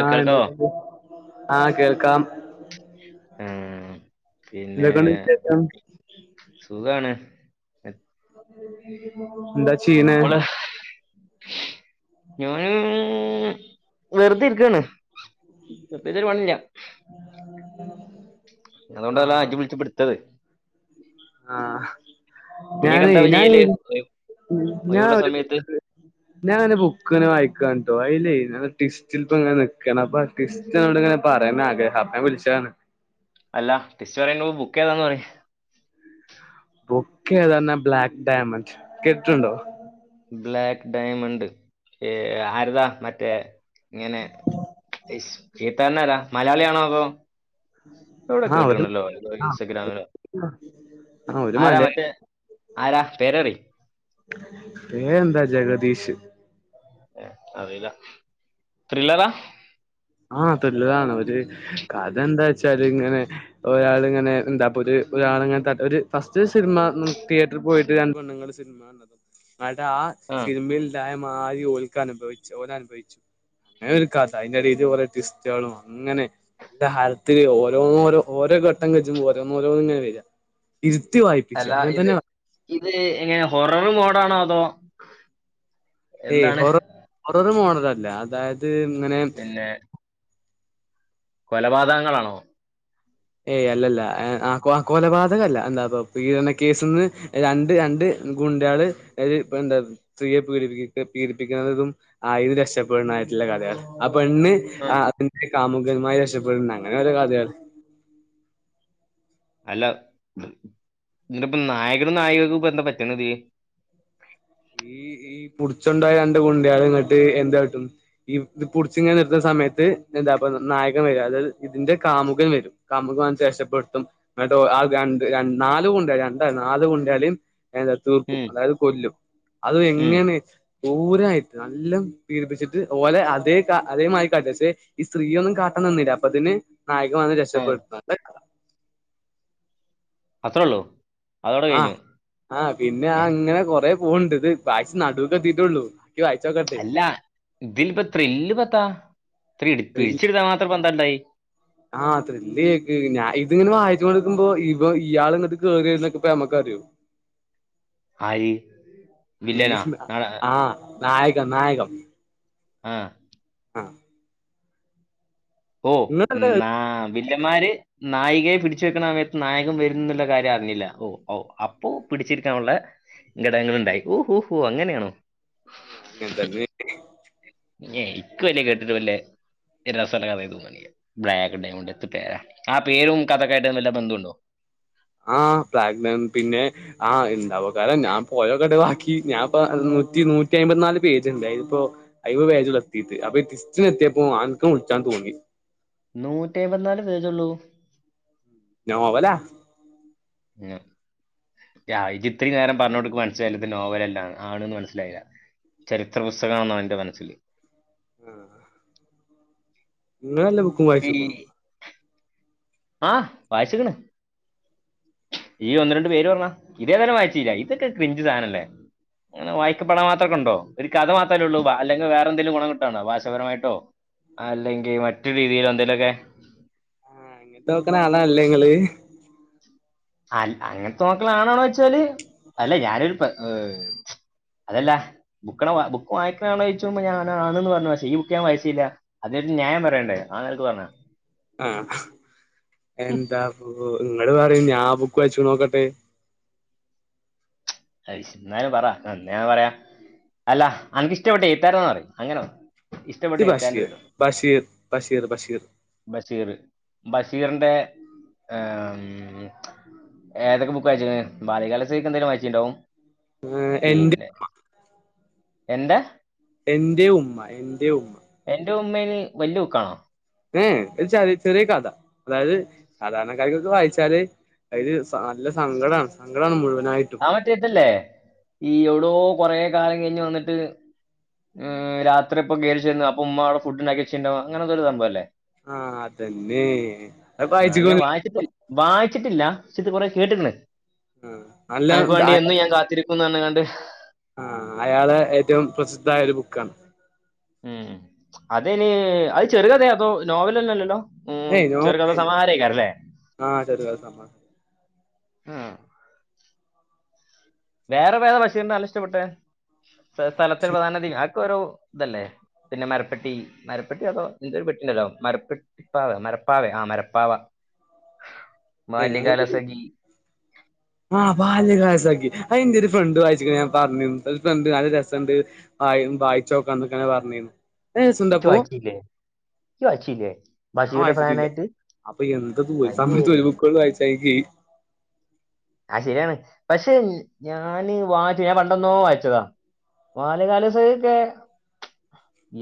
ആഹ് എന്തൊക്കെയൊണ്ട് ആഹ് കേൾക്കാം ആഹ് പിന്നെ എന്തൊക്കെണ്ട് വിശേഷം സുഖാണ് എന്താ ചെയ്യ്ണേ മോള് ഞാന് വെറുതെ ഇരിക്കുവാണ് പ്രത്യേകിച്ചൊരു പണില്ല [inaudible] അതുകൊണ്ടനാ ആഹ് അജി വിളിച്ചപ്പയെടുത്തത് ആഹ് നീയൊക്കെ ഞാനേ എന്താ ഞാന് ചെയ്യല് വിളി ഒയ് ഒഴിവുള്ള ഞാനൊരു സമയത്ത് ബുക്ക് ഞാനൊര് ബുക്കിന് വായിക്കാന്ട്ടോ അയില്ലേ ട്വിസ്റ്റിലിപ്പിങ്ങനെ നിക്കാണ് അപ്പ ട്വിസ്റ്റ് നിന്നോടിങ്ങനെ പറയാന്നാഗ്രഹം അപ്പ ഞാ വിളിച്ചാണ് അല്ല ടിസ്റ്റ് പറയേണ്ടുന്ന ബുക്ക് ഏതാന്ന് പറയ് ബുക്കെതന്നാ ബ്ലാക്ക് ഡയമണ്ട് കേട്ടിട്ടൊണ്ടോ ബ്ലാക്ക് ഡയമെണ്ട് ഏഹ് ആര്താ മറ്റേ ഇങ്ങനെ ഇസ് എഴുത്തുക്കാരനാരാ മലയാളിയാണോ അതോ എവ്ടെ ആഹ് ഒരു കേട്ടണല്ലോ ഇതോ ഇൻസ്റ്റഗ്രാമിലോ ആഹ് ഒരു ആരാ മലയാളി മറ്റേ ആരാ പേരറി പേരെന്താ ജഗദീഷ് ഏഹ് അറീല്ല ത്രില്ലറാ ആഹ് ത്രില്ലതാണ് ഒര് കഥയെന്താച്ചാലിങ്ങനെ ഒരാളിങ്ങനെ എന്താപ്പൊരു ഒരാളിങ്ങനെ ഒരു ഫസ്റ്റ് സിനിമ തിയേറ്ററിൽ പോയിട്ട് കാണുവാ നിങ്ങള് സിനിമകണ്ടതും ന്നട്ട് ആഹ് സിനിമയില്ലായ്മ മാരി ഓൽക്ക അനുഭവിച്ചു ഓനനുഭവിച്ചു അങ്ങനൊരു കഥ അയിന്റെടേല് ഓരോ ട്വിസ്റ്റുകളും അങ്ങനെ എന്റെ ഹാർദിക്കെ ഓരോന്നോരോന്ന് ഓരോ ഘട്ടം വെച്ച് ഓരോന്നോരോന്നു വരിക ഇരുത്തി വായി അല്ല ഇത് ഇത് എങ്ങനെ ഹൊററ് മോഡാണോ അതോ ഏയ് എന്താണ് ഹൊറ ഹൊററ് മോഡലല്ല അതായത് ഇങ്ങനെ പിന്നെ കൊലപാതകങ്ങളാണോ ഏയ് അല്ലല്ല ആഹ് അ കൊലപാതകല്ല എന്താപ്പ പീഡന കേസ്ന്ന് രണ്ട് രണ്ട് ഗുണ്ടാള് ഒര് എന്താ സ്ത്രീയെ പീഡിപ്പി പീഡിപ്പിക്കുന്നതും അയിന്ന് രക്ഷപ്പെടുന്നായിട്ടുള്ള കഥെണ് ആ പെണ്ണ് ആ ആഹ് [unintelligible] കാമുകനുമായി രക്ഷപ്പെട്ന്ന് അങ്ങനെ ഓരോ കഥയണ്. അല്ല ന്നട്ടിപ്പം നായകനും നായികക്കും ഇപ്പെന്താ പറ്റണ്ത് ഈ ഈ പുടിച്ചൊണ്ടായ രണ്ട് ഗുണ്ടകളിങ്ങോട്ട് എന്താട്ടും? ഈ ഇത് പുടിച്ചിങ്ങനെ നിർത്തുന്ന സമയത്ത് എന്താപ്പ നായകൻ വരും അതായത് ഇതിന്റെ കാമുകൻ വരും. കാമുകൻ വന്ന് രക്ഷപ്പെടുത്തും എന്നിട്ട് രണ്ട് ര നാല് ഗുണ്ടയാ രണ്ടല നാല് ഗുണ്ടാലേം ഏഹ് തീർക്കും ഉം അതായത് കൊല്ലും അതു ഉം എങ്ങനെ ദൂരം ആയിട്ട് നല്ലം പീഡപ്പിച്ചിട്ട് ഓലെ അതേ അതേ മാരി കാട്ടച്ച്. ഈ സ്ത്രീയൊന്നും കാട്ടൻ നിന്നില്ല അപ്പൊതേന് നായകവന്ന് ആ രക്ഷപ്പെടുത്ത. അത്രോള്ളു. ആഹ് ആഹ് പിന്നെ ആ ഏ? അങ്ങനെ കൊറെേ പോണണ്ട് ഇത് ബാക്സ് നടുവുക്ക് എത്തിട്ടുള്ളൂ. ക്കി വായ്ച്ചോക്ക് അല്ല ഇതിലിപ്പ ത്രില്ല് പത്താ ഇത്രേം ഇട് പിടിച്ചെടുത്താത്രം പന്തണ്ടായി? ആഹ് ത്രില്ല് കേക്ക് ഞാൻ ഇത് ഇങ്ങനെ വായിച്ചോണ്ടിരിക്കുമ്പൊ ഇവ ഇയാൾ ഇങ്ങട്ട് കേറിവരുന്നൊക്കെ ഇപ്പ നമുക്കറിയോ? ആര് വില്ലനാ ഈഹ് നാട- ആഹ് നായകം നായകം. ആഹ്. ആഹ്. ഓ ഇങ്ങളല്ലേ എന്നാ വില്ലന്മാര് നായികയെ പിടിച്ച വെക്കണ സമയത്ത് നായകൻ വരുന്നുള്ള കാര്യം അറിഞ്ഞില്ല ഓ ഓ അപ്പൊ പിടിച്ചിരിക്കാനുള്ള ഘടങ്ങളുണ്ടായി ഓ ഓ ഹോ അങ്ങനെയാണോ? അങ്ങനതന്നെ. പിന്നെ എനിക്ക് വലിയ കേട്ടിട്ട് വലിയ രസല്ല കഥയായി തോന്നണി ബ്ലാക്ക് ഡൈമണ്ട് എന്ത് പേരാ ആ പേരും കഥക്കായിട്ട് വല്ല ബന്ധുണ്ടോ? ആഹ് ബ്ലാക്ക്ഡൈമണ്ട് പിന്നെ ആഹ് ഇണ്ടാവോകാരം ഞാൻ പോയോക്കെട്ട ബാക്കി ഞാൻപ്പ നൂറ്റി നൂറ്റി അമ്പയത്തിനാല് പേജ്ണ്ട് അയിലിപ്പൊ അയി ഇപ്പൊ പേജിലെത്തി അപ്പൊയിടിസ്റ്റ് എത്തിയപ്പൊ അനക്ക് വിളിച്ചാ തോന്നി. നൂറ്റിയമ്പത്തിനാല് പേജുള്ളൂ? നോവലാ ഞ. യാ ഇജ് ഇത്രീം നേരം പർഞ്ഞോടുക്ക് മൻസ്സിലായില്ല ഇത് നോവലല്ലാന്ന് ആണ്ന്ന് മൻസ്സിലായില ചരിത്ര പുസ്തകാണ്ന്നാ ഇന്റെ മനസ്സില് ഉം ഉം ഇങ്ങളെല്ലാ ബുക്കും വായിച്ച്ക്ക്ണ് ആഹ് വായിച്ച്ക്ക്ണ് ഈ ഒന്ന് രണ്ട് പേര് പർഞ്ഞാ ഇതേതായുലും വായിച്ചീല്ല ഇതൊക്കെ ക്രിഞ്ച് സാനല്ലേ അങ്ങനെ വായിക്കപ്പെടാൻ മാത്രക്കണ്ടോ. ഒര് കഥ മാത്രല്ലെള്ളൂ. അല്ലങ്ക് വേറെ എന്തേലും ഗുണം കിട്ടാണ്ടോ ഭാഷാപരമായിട്ടോ അല്ലെങ്കി മറ്റു രീതിയിലൊ എന്തേലൊക്കെ [unintelligible] ആണ അല്ലേ ങ്ങള് അല അങ്ങൻത്തെ നോക്കളാണാണോയ്ച്ചാല് അല്ല ഞാനൊരു പെ അതല്ല ബുക്കണ ബുക്ക് വായ്ക്കണ ആണോച്ചോയ്ച്ചുമ്പം ഞാന് ആണ്ന്ന് പർഞ്ഞു. പശേ ഈ ബുക്ക് ഞാൻ വായ്ച്ചീല്ല. അതിനൊരു ന്യായം പറയണ്ടേ ആ നെൽക്ക് പർഞ്ഞ ആഹ് എന്താപ്പൊ ഇങ്ങള് പറിം ഞാ ആ ബുക്ക് വായ്ച്ച്ണോക്കട്ടെ. അയ്ശ് ന്നാലും പറ ന ന്നേ ഞാ പറയാ അല്ല അൻക്കിഷ്ടപ്പെട്ടെ എയ്ത്താരനാ ന്നറി അങ്ങനെ പറി നിക്ക് ബഷീർ ബഷീർ ബഷീർ ബഷീർ ബഷീറ് ബഷീറിന്റെ ആഹ് മ് ഏതൊക്കെ ബുക്ക് വായിച് ബാല്യകാലസഖിയൊക്കെ എന്തായാലുവായിച്ചിട്ടുണ്ടാവും ആഹ് എന്റെ ഉമ്മ എന്റെ എന്റെ ഉമ്മ എന്റെ ഉമ്മ എന്റെ ഉമ്മേൽ വല്യബുക്കാണോ ഏഹ് ഒരു ചെറിയ ചെറിയ കഥ അതായത് സാധാരണകരോക്കെ വായിച്ചാല് അയില് നല്ല സങ്കടമാണ് സങ്കടമാണ് മുഴുവനായിട്ട് മറ്റേഇതല്ലേ ഈ എവിടോ കൊറേ കാലംകഴിഞ്ഞുവന്നിട്ട് മ് രാത്രി ഇപ്പോ കേറിചെന്ന് അപ്പോ ഉമ്മാഅവിടെ ഫുഡ് ഉണ്ടാക്കിവെച്ചിണ്ടാവും അങ്ങനെന്തൊരു സംഭവമല്ലേ ആഹ് അതന്നെ അത്ബായിച് വായിച്ചിട്ടില് വായിച്ചിട്ടില്ല ക്ഷേ ഇത് കുറെ കേട്ടിട്ടുണ്ട് ആഹ് നല്ല അനക്കുവേണ്ടി എന്നും ഞാൻ കാത്തിരി [unintelligible] ആഹ് അയാള് ഏറ്റവും പ്രസിദ്ധായ ഒരു ബുക്കാണ് ഉം അതെനി അത് ചെറുകഥ അതോ നോവലോന്നുവല്ലല്ലോ മ് ഏയ് നോ ചെറുകഥ സമാഹാരയ്ക്കരല്ലേ ആഹ് ചെറു കഥ സമാഹാരം ഉം. വേറെ വേറെ ബഷീറിന്റെ നല്ല ഇഷ്ടപ്പെട്ടെ സ്ഥലത്തിൽ പ്രധാന ആക്കെ ഒരു ഇതല്ലേ പിന്നെ മരപ്പട്ടി മരപ്പട്ടി അതോ ന്റെ ഒരു പെട്ടീണ്ടല്ലോ മരപ്പെ മരപ്പാവ മരപ്പാവെയോ ആഹ് മരപ്പാവ [inaudible] ബാല്യകാല സഖി ആഹ് ബാല്യകാലസഖി ആയെന്റെ ഒരു ഫ്രണ്ട് വായിച്ചികണ് ഞാൻ പറഞ്ഞു ഒരു ഫ്രണ്ട് നല്ല രസണ്ട് വായി വായിച്ചു നോക്കാന്ന് ഇങ്ങനെ പറഞ് നല്ല രസ്സണ്ട് അപ്പോ ബായിച്ചില്ലേ ബഷീറിന്റെ ഫാനായിട്ട് അപ്പൊ എന്ത്‌ അയ്യേ [unintelligible] ബുക്കുകൾ വായിച്ച [unintelligible] ആ ശരിയാണ് പക്ഷെ ഞാന് വായിച്ചു ഞാൻ പണ്ടെന്നോ വായിച്ചതാ ബാല്യകാലസഖിയൊക്കെ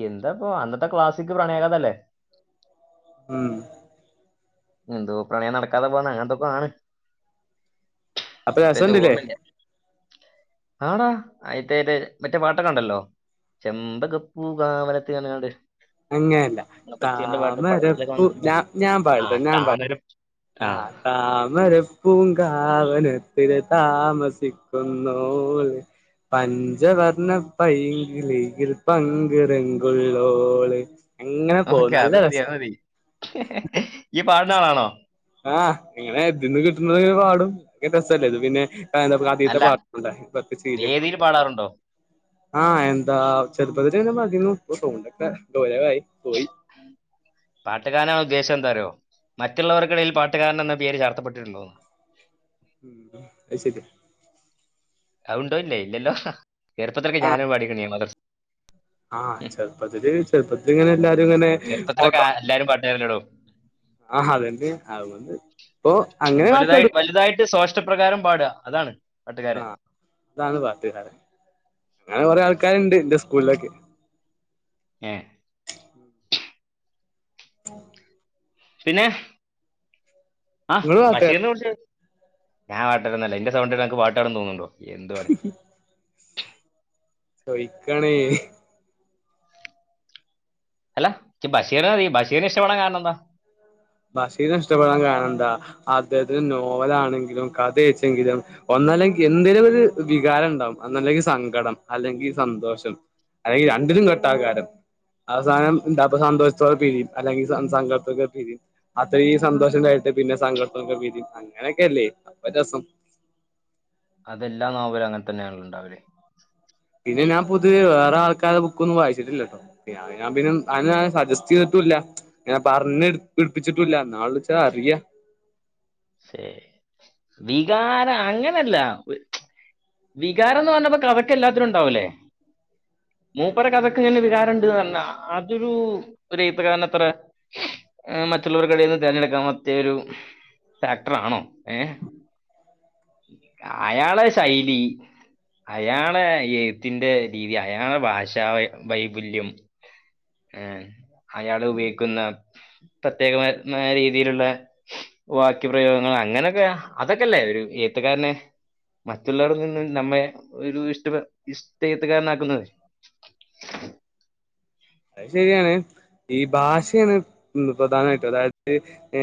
എന്താപ്പ അന്നത്തെ ക്ലാസ്സിക് പ്രണയകഥ അല്ലേ മ് എന്തോ പ്രണയം നടകാതെ പോന്നാ അങ്ങനത്തെ എന്തോ ആണ് അപ്പൊ കൃത്യയിട്ട് രസംണ്ടില്ലേ ഓർമ്മ ഇല്ല ആടാ അയിന്റെ മറ്റേ പാട്ടൊക്കെ ഉണ്ടല്ലോ ചെമ്പകപ്പൂകവനത്തിൽ അങ്ങനെ എങ്ങാണ്ട് അങ്ങനല്ല ബഷീറിന്റെ പാട്ട് പടത്തിലൊക്കെ താമരപ്പൂ വന്നിട്ടുള്ള ഞാൻ ഞാൻ പാടട്ടെ ആഹ് ഞാൻ പാട താമരപ്പൂ ആ ആഹ് താമരപ്പൂങ്കാവനത്തില് താമസിക്കുന്നോള് പഞ്ചവർണ പൈങ്കിളിയിൽ പങ്കുറങ്കുള്ളോള് അങ്ങനെ പോമ് ഓക്കെ നല്ല അത് മതി രസ അത് മതി. ഈ പാടുന്ന ആളാണോ ആഹ് ഇങ്ങനെ ഇതിന്ന് കിട്ടുന്ന ഒരു പാടും രസല്ലേ ഇത് പിന്നെ അല്ല വേദിയിൽ [inaudible] പാടാറുണ്ടോ? ആഹ് എന്താ ചെറുപ്പത്തിൽ തന്നെ [unintelligible] സൗണ്ടൊക്കെ കൊറേയായി പോയി [inaudible] പാട്ടുകാരനാണ് ഉദ്ദേശം എന്താന്ന് അറിയുവോ മറ്റുള്ളവർക്കിടയിൽ പാട്ടുകാരൻ എന്ന പേര് ചാർത്തപ്പെട്ടിട്ടുണ്ടോ അത് ശെരി അത് ഉണ്ടോ ഇല്ലയോ ഇല്ലല്ലോ ചെറുപ്പതൊക്കെ ഞാന പാടിയെക്കണ് [unintelligible] ആ ചെറുപ്പത്തില് ചെറുപ്പത്തിങ്ങനെ എല്ലാരു ഇങ്ങനെ ചെറുപ്പത്തിലൊക്കെ ആരാ എല്ലാരും പാട്ടുകാരാല്ലെടോ ആഹാ അതെ വന്ത് അത് വന്ത് ഇപ്പൊ അങ്ങനെ വലുതായി പാട്ടാടും വലുതായിട്ട് സ്വാഷ്ടപ്രകാരം പാടുക അതാണ് പാട്ടുകാരൻ ആഹ് അതാണ് പാട്ടുകാര് അങ്ങനെ കൊറെ ആൾക്കാരുണ്ട് എന്റെ സ്കൂളിലൊക്കെ ഏ [inaudible] [inaudible] പിന്നെ ഹ നിങ്ങള് ബഷീർനെ പാട്ടുകാരനാ കുർച്ച് ഞാൻ പാട്ട്ടോന്നല്ലാ ഇന്റെ സൗണ്ട് കേട്ടിട്ട് പാട്ട്ടാ തോന്ന്ണ്ടോ എന്തുവടി. [inaudible] തോഴിക്കണേ അല്ല ഇക്കി ബഷീർനെ അറിയും ബഷീറിനെ ഇഷ്ടപ്പെടൻ കാരണം എന്താ? ബഷീറി ഇഷ്ടപ്പെടാൻ കണന്താ ബാഷിറിനെ ഇഷ്ടപ്പെടൻ കാരാണംഎന്താ അദ്ദേഹത്തിന് നോവലാണെങ്കിലും കഥയച്ചെങ്കിലും ഒന്നല്ലെങ്കിൽ എന്തിനും ഒരു വികാരം ഉണ്ടാവും. അന്നല്ലെങ്കിൽ സങ്കടം അല്ലെങ്കിൽ സന്തോഷം. അല്ലെങ്കിൽ രണ്ടിനും കെട്ടാകാരം. അവസാനം ഡാബിൾ സന്തോഷത്തോടെ പിരിയും അല്ലെങ്കിൽ സങ്കടത്തോടെ പിരിയും. അത്രയും സന്തോഷം ഉണ്ടായിട്ട് പിന്നെ സങ്കടത്തൊക്കെ പിരിം അങ്ങനെയൊക്കെല്ലേ അപ്പം രസം. അതൊല്ലാ നാവുര് അങ്ങനെ തന്നെയണലോ ഉണ്ടാവൽ. പിന്നെ ഞാൻ പൊതുവെ വേറെ ആൾക്കാരെ ബുക്കൊന്നും വായിച്ചിട്ടില്ലാട്ടോ. ഞാൻ പിന്ന അനെ ഞാൻ സജസ്റ്റ് ചെയ്തിട്ടുല്ല. ഞാൻ പർഞ്ഞി വിർപ്പിച്ചിട്ടുല്ല നാൾ വുൾച്ച അറിയാ ശേ വികാര അങ്ങനെല്ല വികാരം എന്ന് പറഞ്ഞപ്പോ കഥായ്ക്ക് എല്ലാത്തിനും ഉണ്ടാവൂല്ലേ മൂപ്പര് അതൊക്കെ ഇങ്ങനെ വികാരണ്ട് പറഞ്ഞ അതൊരു രത്ത കഥ എത്ര [inaudible] മറ്റുള്ളവരു കടയിൽന്ന് തിരഞ്ഞെടുക്കാൻ [unintelligible] ഡാക്ടർാണോ ഏ അയാളെ ശൈ ബീ അയാളെ എഴുത്തിന്റെ രീതി അയാളെ ഭാഷ [inaudible] വൈബല്യം. ഏ അയാൾ ഉപയോഗിക്കുന്ന പ്രത്യേക മായ [unintelligible] രീതിയിലുള്ളെ വാക്കിപ്രയോഗങ്ങൾ അങ്ങനെയൊക്കെ അതൊക്കെല്ലേ ഒരു ഏഴുത്തുകാരനെ എല്ലാരിൽ നിന്നും നമ്മെ ഒരു ഇഷ്ട ഇഷ്ടത്തുകാരനാക്കുന്നത്. അഹ് ശരിയാണ്. ഈ ഭാഷയാണ് പ്രധാനമായിട്ടും അതായത് ഏ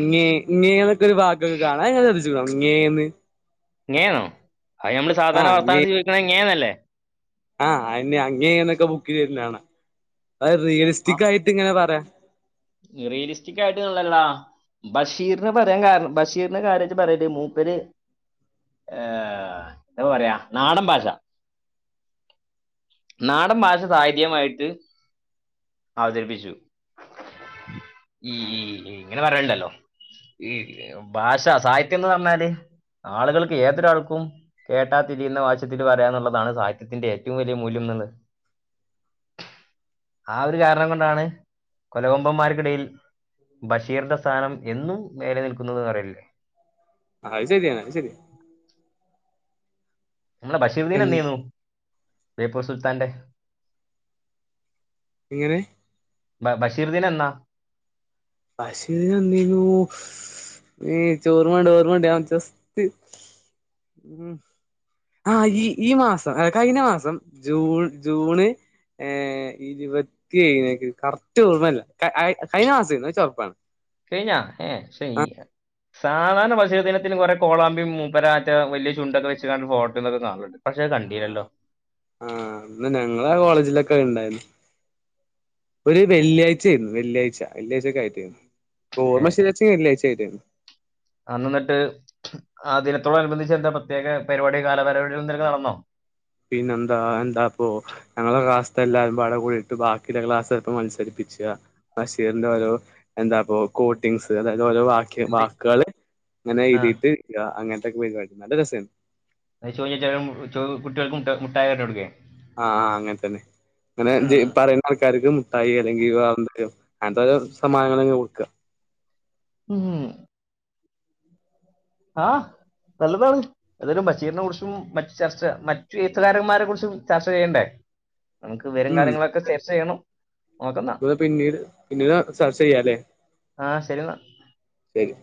ഇങ്ങ ഇങ്ങന്നൊക്കെ ഒരു വാക്ക്ക്കെ കാണാ അത് ഇങ്ങള് ശ്രദ്ധിച്ചിനോ ഇങ്ങന്ന്. ങ്ങേ ണോ അത് നമ്മള് ആ സാധാരണ വർത്താനത്ത് ചോദിക്കുന്നത് ങ്ങേന്നല്ലേ ആഹ് അങ്ങയിന്നൊക്കെ ആബുക്ക് തരുന്നതാണ് അത് ആ റിയലിസ്റ്റിക് ആയിട്ട് ഇങ്ങനെ പറയാം റിയലിസ്റ്റിക് ആയിട്ട്ന്ല്ല്ള്ള. ബഷീറിനെ പറയാൻ കാരണം ബഷീർനെ കാര്യായിട്ട് പറയാല്ലിയാ മൂപ്പര് എന്താ പറയാ നാടൻ ഭാഷ. നാടൻ ഭാഷ സായിധിയമായിട്ട് അവതരിപ്പിച്ചു. ഇങ്ങനെ പറയെണ്ടല്ലോ ഈ ഭാഷ സാഹിത്യം എന്ന് പറഞ്ഞാൽ ആളുകൾക്ക് ഏതൊരാൾക്കും കേട്ടാതിരിയുന്ന വശത്തിൽ പറയാ എന്നുള്ളതാണ് സാഹിത്യത്തിന്റെ ഏറ്റവും വലിയ മൂല്യം [unintelligible] ആ ഒരു കാരണം കൊണ്ടാണ്. കൊലകൊമ്പന്മാർക്കിടയിൽ ബഷിറിന്റെസ്ഥാനം എന്നും മേലെ നിൽക്കുന്നത് പാറിയില്ലേ. അത് ശരിയാണ് ശരിയാണ് നമ്മുടെ ബഷീർുദ്ദീൻ എൻ എന്ത് ചെയ്യുന്നു ബേപ്പൂർ സുൽത്താന്റെ എങ്ങനെ [unintelligible] ബഷീർ ദീനം എന്നാ ബഷീർ ദീനു [unintelligible] ഓർമ്മയുണ്ട് ചോറമണ്ട് ഓർമ്മണ്ട് ഞ ജെസ്റ്റ് ഉം. ആഹ് ഈ ഈ മാസം കഴിഞ്ഞ മാസം ജൂൺ ജൂണ് ഏ ഇരുപത്തിയഴേ കറക്റ്റ് ഓർമ്മല്ല. കഴിഞ്ഞ മാസർന്നു അഹ് ച ഉറുപ്പാണ്. കയിഞ്ഞാ എയിശ [unintelligible] കാണാൻ പശുദിനത്തിന് കുറെ കോളാമ്പിയും മൂപ്പരാറ്റ വലിയ ചുണ്ടൊക്കെ വെച്ച്ങ്ങാണം ഫോട്ടോന്നൊക്കെ കാണു ആളു പഷേ ആ കണ്ടീല്ലല്ലോ ആഹ് ഇന്ന് ഞങ്ങള കോളേജിലൊക്കെ ഇണ്ടായിരുന്ന് ഒരു ഉം. വെള്ളിയാഴ്ചയായിരുന്നു വെള്ളിയാഴ്ച വെള്ളിയാഴ്ച്ചൊക്കെ ആയിട്ടേനു ഓർമ്മ ശെരിയാച്ച വെള്ളിയാഴ്ച ആയിട്ടാരുന്നു അന്നെന്നിട്ട് ആ ദിനത്തോടനുബന്ധിച്ച് എന്താ പ്രത്യേക പരിപാടി കാലപരിപാടികളെന്തേലൊക്കെ നടന്നോ പിന്നെന്താ എന്താപ്പൊ ഹ് ഞങ്ങളെ ക്ലാസ്ത്തെ എല്ലാരുംവട കൂടിയിട്ട് ബാക്കിള്ളെ ക്ലാസ്സൊപ്പം മത്സരിപ്പിച്ച്യ ബഷീറിന്റെ ഓരോ എന്താപ്പോ കോട്ടിങ്സ് അതായത് ഓരോ വ ക്കെ എന്ത് വാക്ക്വള് ഇങ്ങനെ ആ എയ്തീട്ട് യ അങ്ങൻത്തൊക്കെ പരുപാടി നല്ല രസ അയ് [unintelligible] ചോ കുട്ട്യോൾക്ക് മുട്ട മുട്ടായി എറിഞ്ഞ് കൊടുക്ക് അഹ് അഹ് അങ്ങൻതന്നെ അങ്ങനെ ഇജ്ജ് പറയുന്ന ആൾക്കാർക്കും തൈ അല്ലെങ്കിൽ വേറെന്തെറയ എന്തെലും സമ്മാനങ്ങളങ്ങ് കൊടുക്ക ഉം ആഹ് നല്ലതാണ് അതായത് ബഷീറിനെ കുറിച്ചും മറ്റ് ചർച്ച മറ്റു എഴുത്തുകാരന്മാരെ കുറിച്ചും ചർച്ച ചെയ്യണ്ടേ നമുക്ക് വരും ഉം കാര്യങ്ങളൊക്കെ ചർച്ച ചെയ്യണം നോക്കുന്ന ഇത് പിന്നീട് പിന്നീട് ചർച്ച ചെയ്യാല്ലെ ആഹ് ശെരിയെന്നാ ശെരി